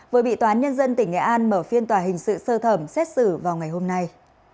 vừa bị toán nhân dân tỉnh nghệ an mở phiên tòa hình sự sơ thẩm xét xử vào ngày hôm nay